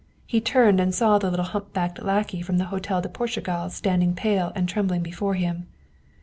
He turned and saw the little humpbacked lackey from the Hotel de Portugal standing pale and trembling before him.